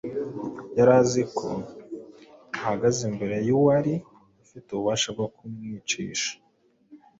Yari azi ko ahagaze imbere y’uwari afite ububasha bwo kumwicisha